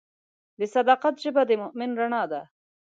د صداقت ژبه د مؤمن رڼا ده.